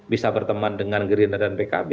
bisa berteman dengan gerindra dan pkb